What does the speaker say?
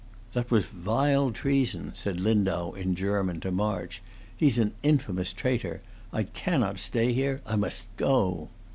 "That was vile treason," said Lindau in German to March. "He's an infamous traitor! I cannot stay here. I must go."